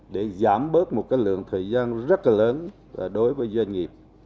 để giảm bớt một cái lượng thời gian rất là lớn đối với doanh nghiệp